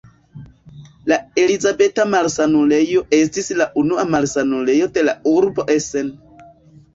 La Elizabeta-Malsanulejo estis la unua malsanulejo de la urbo Essen.